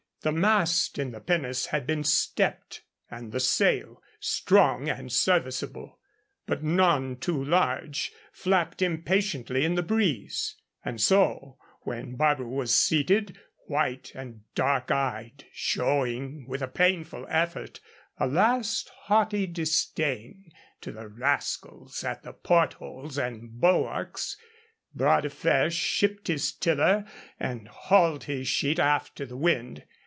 The mast in the pinnace had been stepped, and the sail, strong and serviceable, but none too large, flapped impatiently in the breeze. And so when Barbara was seated, white and dark eyed, showing with a painful effort a last haughty disdain to the rascals at the portholes and bulwarks, Bras de Fer shipped his tiller and hauled his sheet aft to the wind.